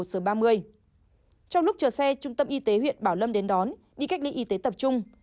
trong lúc chờ xe trung tâm y tế huyện bảo lâm đến đón đi cách ly y tế tập trung